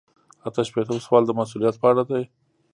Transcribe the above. اته شپیتم سوال د مسؤلیت په اړه دی.